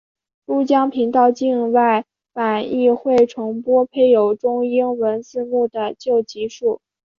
珠江频道境外版亦会重播配有中英文字幕的旧集数。